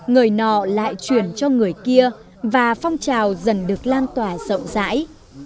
người nọ lại truyền cho người kia và phong trào dần được lan tỏa rộng rãi